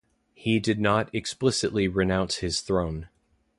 He did not explicitly renounce his throne.